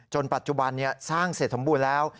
จนปัจจุบันนี้สร้างเสร็จทมบูลแล้ว